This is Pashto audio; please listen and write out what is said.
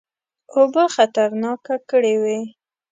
اوبه خطرناکه کړي وې.